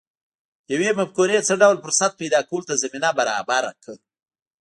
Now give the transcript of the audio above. یوې مفکورې څه ډول فرصت پیدا کولو ته زمینه برابره کړه